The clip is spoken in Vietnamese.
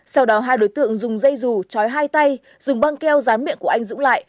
sau đó hai đối tượng dùng dây dù chói hai tay dùng băng keo rán miệng của anh dũng